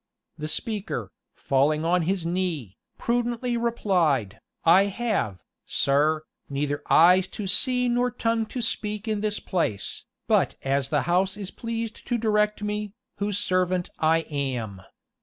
The speaker, falling on his knee, prudently replied, "I have, sir, neither eyes to see nor tongue to speak in this place, but as the house is pleased to direct me, whose servant I am.